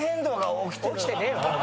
起きてねえよ！